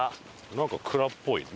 なんか蔵っぽいよね。